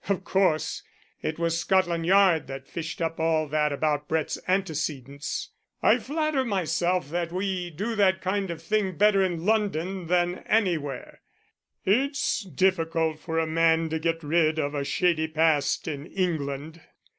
"Of course it was Scotland Yard that fished up all that about Brett's antecedents. I flatter myself that we do that kind of thing better in London than anywhere: it's difficult for a man to get rid of a shady past in England.